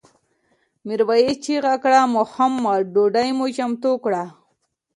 میرويس چیغه کړه محموده ډوډۍ مو چمتو کړه؟